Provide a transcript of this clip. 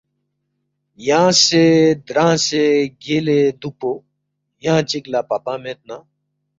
یانگسے درانگسے گیلے دوکپو، ینگ چکلا پاپا مید نا